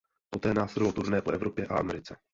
Poté následovalo turné po Evropě a Americe.